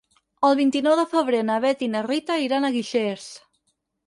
El vint-i-nou de febrer na Bet i na Rita aniran a Guixers.